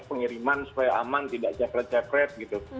pengiriman supaya aman tidak cakrat cakrat gitu